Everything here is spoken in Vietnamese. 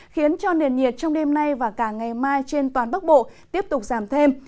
khiến cho nền nhiệt trong đêm nay và cả ngày mai trên toàn bắc bộ tiếp tục giảm thêm